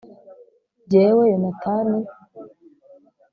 jyewe yonatani